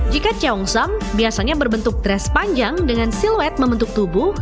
jika ceongsam biasanya berbentuk dress panjang dengan siluet membentuk tubuh